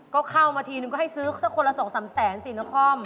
ก็เข้ามาทีนึงก็ให้ซื้อสักคนละ๒๓แสนสินคร